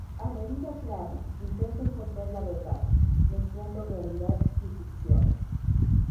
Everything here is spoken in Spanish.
A medida que habla, intenta encontrar la verdad, mezclando realidad y ficción.